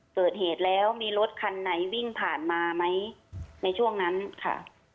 เกิดเหตุแล้วมีรถคันไหนวิ่งผ่านมาไหมในช่วงนั้นค่ะ